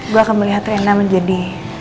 gue akan melihat rena menjadi